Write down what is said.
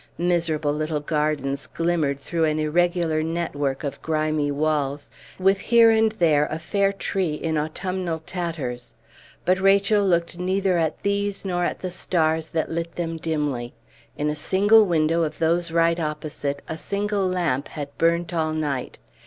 Miserable little gardens glimmered through an irregular network of grimy walls, with here and there a fair tree in autumnal tatters; but Rachel looked neither at these nor at the stars that lit them dimly. In a single window of those right opposite a single lamp had burnt all night.